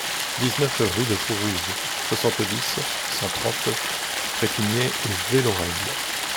dix-neuf rue de Fourouze, soixante-dix, cent trente, Fretigney-et-Velloreille